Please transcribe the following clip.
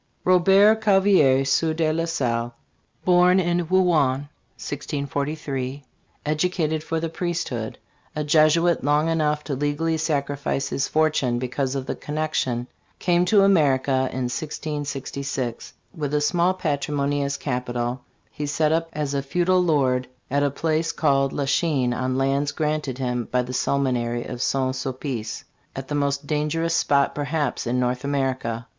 ROBERT CAVALIER, Sieur de la Salle, born in Rouen, 1643; educated for the priesthood; a Jesuit long enough to legally sacrifice his fortune because of the connection came to America in 1666. With a small patrimony as capital he set up as a feudal lord at a place called La Chine, on lands granted him by e. the Seminary of St. Sulpice, at the most dangerous spot, perhaps, in North America.